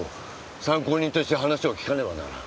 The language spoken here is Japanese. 参考人として話を聞かねばならん。